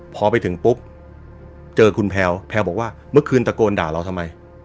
พอไปถึงปุ๊บเจอคุณแพลวแพลวบอกว่าเมื่อคืนตะโกนด่าเราทำไม